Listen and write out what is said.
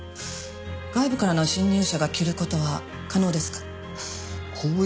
外部からの侵入者が着る事は可能ですか？